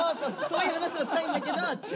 そういう話をしたいんだけど違う。